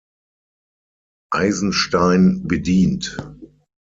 Eisenstein bedient.